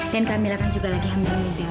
dan kak mila kan juga lagi hamil muda